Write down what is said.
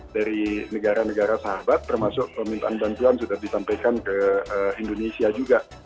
dari negara negara sahabat termasuk permintaan bantuan sudah disampaikan ke indonesia juga